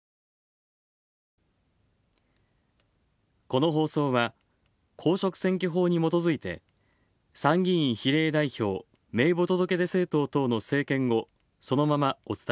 この放送は、公職選挙法にもとづいて参議院比例代表名簿届出政党等の政見をそのままお伝えしました。